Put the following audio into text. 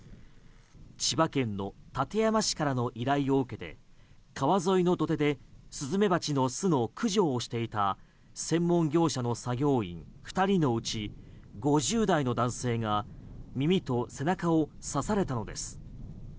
千葉県の館山市からの依頼を受けて、川沿いの土手でスズメバチの巣の駆除をしていた専門業者の作業員２人のうち５０代の男性が耳と背中を刺されたのです。